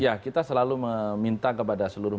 ya kita selalu meminta kepada seluruh